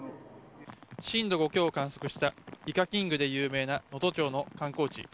震度５強を観測したイカキングで有名な能登町の観光地